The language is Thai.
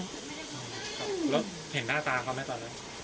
แล้วเห็นหน้าตาเขาไหมตอนนั้น